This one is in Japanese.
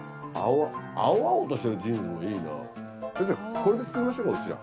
これで作りましょうかうちら。